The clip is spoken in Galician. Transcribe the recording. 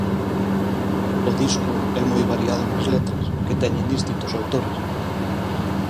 O disco é moi variado nas letras, que teñen distintos autores.